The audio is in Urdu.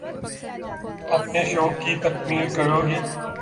اپنے شوق کی تکمیل کروں گی